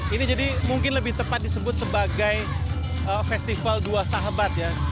ini jadi mungkin lebih tepat disebut sebagai festival dua sahabat ya